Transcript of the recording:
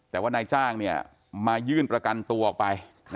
แต่ว่านายจ้างมายื่นประกันตัวออกไป